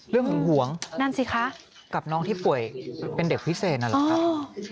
เรื่องหึงหวงกับน้องที่ป่วยเป็นเด็กพิเศษนั่นหรือครับ